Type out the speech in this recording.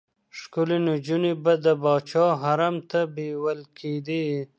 ښکلې نجونې به د پاچا حرم ته بېول کېدې.